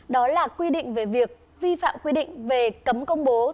đó là quy định về việc vi phạm quy định về cấm công bố